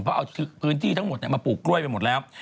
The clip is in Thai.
เพราะเอาพื้นที่ทั้งหมดมาปลูกกล้วยไปหมดแล้ว